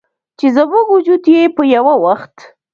چې زموږ وجود یې په یوه وخت